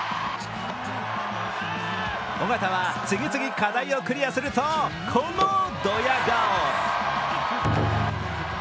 緒方は次々課題をクリアするとこのドヤ顔。